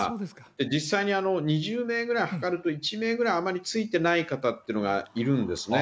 実際に２０名ぐらい測ると１名ぐらいあまりついてない方っていうのがいるんですね。